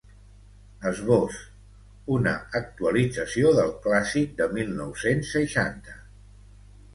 Esbós: Una actualització del clàssic de mil nou-cents seixanta.